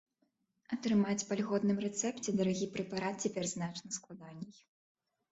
Атрымаць па льготным рэцэпце дарагі прэпарат цяпер значна складаней.